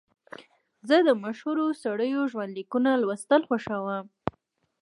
زه د مشهورو سړیو ژوند لیکونه لوستل خوښوم.